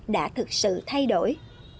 đã thực sự thay đổi